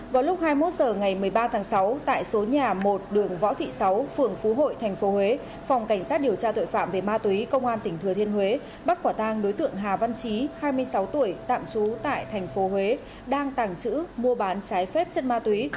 vào lúc hai mươi một h ngày một mươi ba tháng sáu tại số nhà một đường võ thị sáu phường phú hội thành phố huế phòng cảnh sát điều tra tội phạm về ma túy công an tỉnh thừa thiên huế bắt quả tang đối tượng hà văn trí hai mươi sáu tuổi tạm trú tại tp huế đang tàng trữ mua bán trái phép chất ma túy